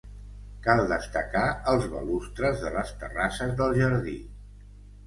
Cal destacar els balustres de les terrasses del jardí.